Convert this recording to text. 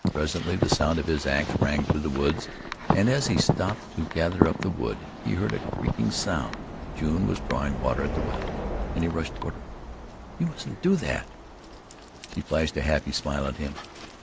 Presently the sound of his axe rang through the woods, and as he stooped to gather up the wood, he heard a creaking sound. June was drawing water at the well, and he rushed toward her: "Here, you mustn't do that." She flashed a happy smile at him.